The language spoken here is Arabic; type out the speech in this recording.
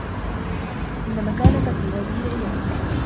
إنّ مكانك في هذه العيادة.